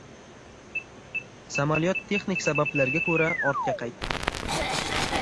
Samolyot texnik sabablarga ko‘ra ortga qaytdi